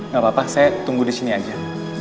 gak apa apa saya tunggu disini aja